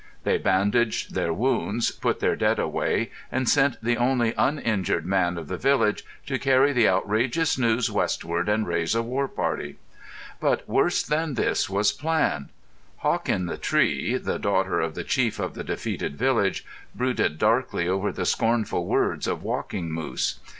They bandaged their wounds, put their dead away, and sent the only uninjured man of the village to carry the outrageous news westward and raise a war party. But worse than this was planned. Hawk in the Tree, the daughter of the chief of the defeated village, brooded darkly over the scornful words of Walking Moose.